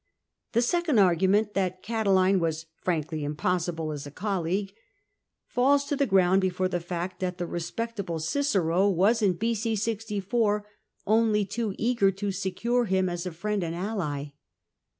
The second argument — that Catiline was frankly impossible as a colleague — falls to the ground before the fact that the respectable Cicero 300 CiESAR was in b.o. 64 only too eager to secure him as a friend and ally.